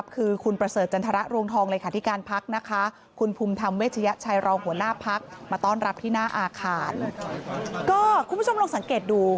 คุณผู้ชมลองสังเกตดู